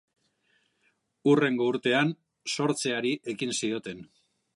Hurrengo urtean sortzeari ekin zioten.